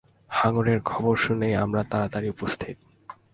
হাঙ্গরের খবর শুনেই, আমরা তাড়াতাড়ি উপস্থিত।